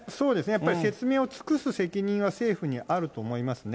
やっぱり説明を尽くす責任は政府にあると思いますね。